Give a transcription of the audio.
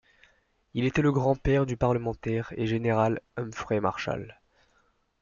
Il était le grand-père du parlementaire et général Humphrey Marshall.